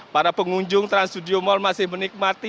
para pengunjung trans studio mall masih menikmati